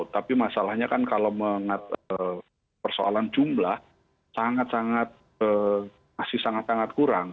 tapi masalahnya kan kalau persoalan jumlah sangat sangat masih sangat sangat kurang